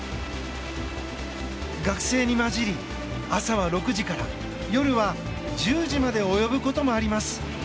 学生に交じり朝は６時から夜は１０時まで及ぶこともあります。